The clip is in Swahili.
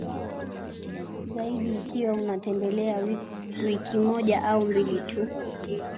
zaidi ikiwa unatembelea wiki moja au mbili tu